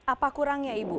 apa kurangnya ibu